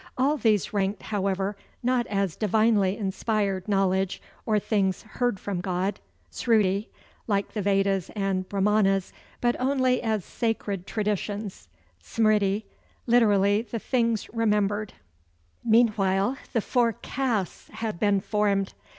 All these ranked, however, not as divinely inspired knowledge, or things "heard from God" (sruti), like the Vedas and Brahmanas, but only as sacred traditions smriti, literally "The things remembered." Meanwhile the Four Castes had been formed.